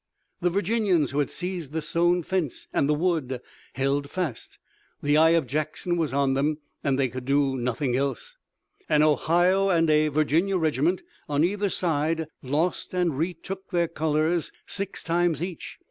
The Virginians who had seized the stone fence and the wood held fast. The eye of Jackson was on them, and they could do nothing else. An Ohio and a Virginia regiment on either side lost and retook their colors six times each.